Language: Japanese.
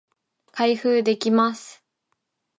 開封できます